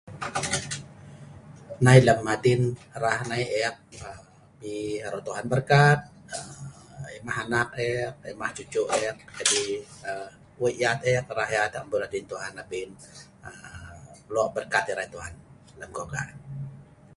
Nai lem adin rah nai ek pi aro Tuhan berkat, emah anak ek, emah cucu ek, jadi wei yat ek, rah yat ek llul Tuhan abin lok berkat erai Tuhan lem keluarga ek